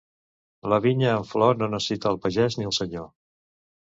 La vinya en flor no necessita el pagès ni el senyor.